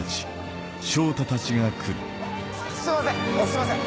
すいません！